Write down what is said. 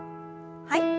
はい。